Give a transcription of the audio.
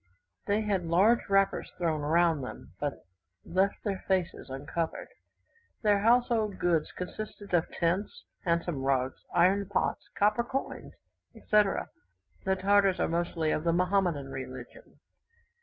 They had large wrappers thrown round them; but left their faces uncovered. Their household goods consisted of tents, handsome rugs, iron pots, copper coins, etc. The Tartars are mostly of the Mahomedan religion.